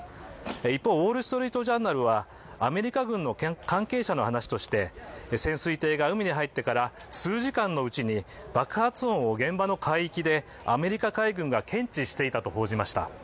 一方、「ウォール・ストリート・ジャーナル」はアメリカ軍の関係者に話として潜水艇が海に入ってから数時間のうちに爆発音を現場の海域でアメリカ海軍が検知していたと報じました。